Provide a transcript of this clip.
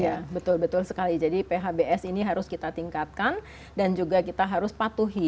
iya betul betul sekali jadi phbs ini harus kita tingkatkan dan juga kita harus patuhi